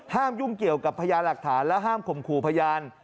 ยุ่งเกี่ยวกับพยานหลักฐานและห้ามข่มขู่พยาน